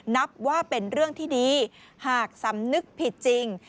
นับว่าเป็นเรื่องที่ดีหากสำนึกผิดจริง